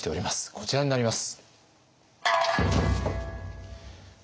こちらになります。